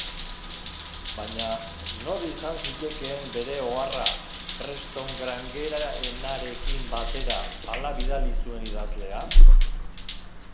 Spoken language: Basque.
Baina nor izan zitekeen bere oharra Prestongrangerenarekin batera hala bidali zuen idazlea?